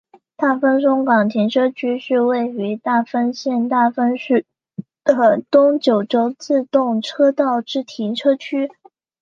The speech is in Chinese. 大分松冈停车区是位于大分县大分市的东九州自动车道之停车区。